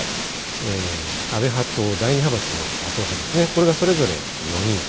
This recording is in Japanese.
安倍派と第２派閥の麻生派ですね、これがそれぞれ４人。